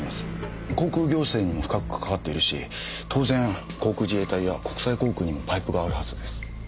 航空行政にも深くかかわっているし当然航空自衛隊や国際航空にもパイプがあるはずです。